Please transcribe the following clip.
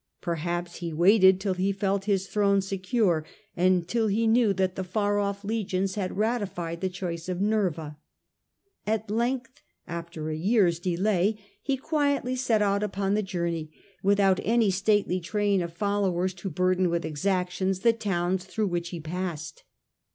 Perhaps he waited till he felt his throne secure, and 97 117 . Trajan. 9 till he knew that the far off legions had ratified the choice of Nerva. At length, after a year's delay, he quietly set out upon the journey, without any stately train of followers to burden with exactions the towns through which ^ they passed.